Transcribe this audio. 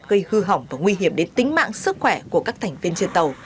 gây hư hỏng và nguy hiểm đến tính mạng sức khỏe của các thành viên trên tàu